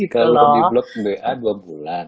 kalau di blok wa dua bulan